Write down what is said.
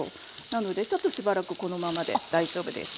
なのでちょっとしばらくこのままで大丈夫です。